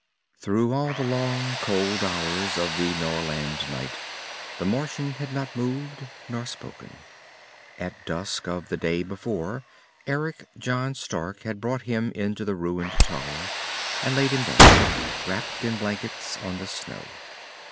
_] I Through all the long cold hours of the Norland night the Martian had not moved nor spoken. At dusk of the day before Eric John Stark had brought him into the ruined tower and laid him down, wrapped in blankets, on the snow.